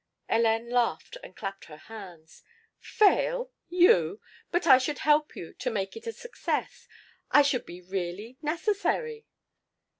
Hélène laughed and clapped her hands. "Fail? You? But I should help you to make it a success I should be really necessary?"